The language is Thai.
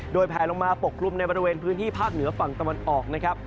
โดยแผลลงมาปกกลุ่มในบริเวณพื้นที่ภาคเหนือฝั่งตะวันออกนะครับ